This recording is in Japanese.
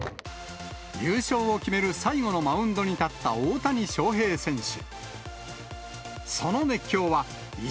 優勝を決める最後のマウンドに立った大谷翔平選手。